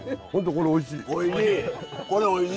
これおいしい！